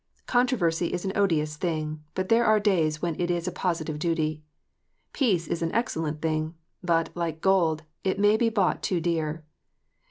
Controversy is an odious thing ; but there are days when it is a positive duty. Peace is an excellent thing ; but, like gold, it may be bought too dear.